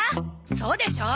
そうでしょ？